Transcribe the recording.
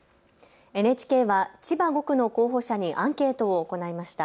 ＮＨＫは千葉５区の候補者にアンケートを行いました。